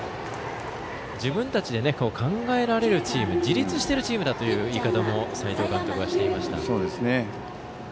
自分たちで考えられるチーム自立しているチームだという言い方も斎藤監督はしていました。